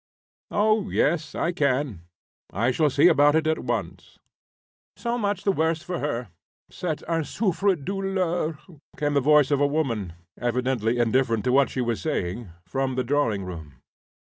"Oh, yes, I can. I shall see about it at once." "So much the worse for her. C'est un souffre douleur," came the voice of a woman, evidently indifferent to what she was saying, from the drawing room.